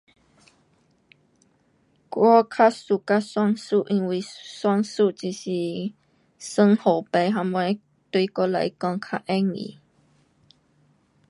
我较 suka 算数因为算数就是算数目什么，对我来讲较容易。